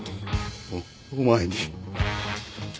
おお前に。